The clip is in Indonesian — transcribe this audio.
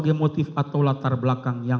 kita harus membuatnya